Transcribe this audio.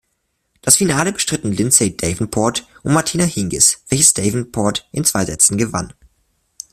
Das Finale bestritten Lindsay Davenport und Martina Hingis, welches Davenport in zwei Sätzen gewann.